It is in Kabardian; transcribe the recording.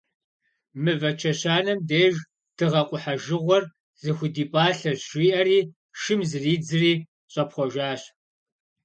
«Мывэ чэщанэм деж дыгъэ къухьэжыгъуэр зыхудипӏалъэщ», жиӏэри, шым зридзыри щӏэпхъуэжащ.